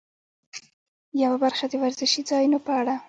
یوه برخه د وزرشي ځایونو په اړه.